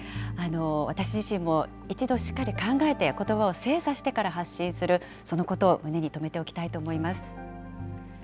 私自身も一度しっかり考えて、ことばを精査してから発信する、そのことを胸に留めておきたいと思います。